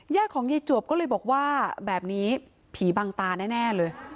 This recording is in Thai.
ของยายจวบก็เลยบอกว่าแบบนี้ผีบังตาแน่เลย